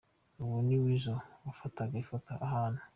Uwo ni Weasel wafataga ifoto ahantu.